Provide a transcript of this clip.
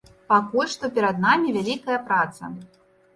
Пакуль што перад намі вялікая праца.